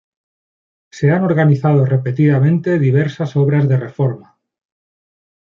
Se han organizado repetidamente diversas obras de reforma.